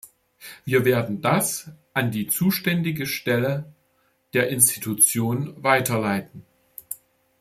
Wir werden das an die zuständige Stelle der Institution weiterleiten.